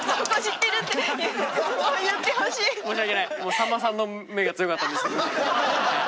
さんまさんの目が強かったです。